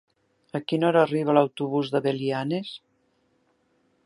A quina hora arriba l'autobús de Belianes?